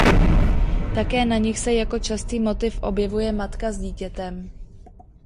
Také na nich se jako častý motiv objevuje matka s dítětem.